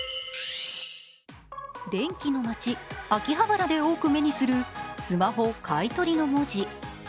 電気の街・秋葉原で多く目にするスマホ買取の文字。